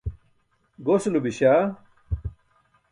Gosulo biśa.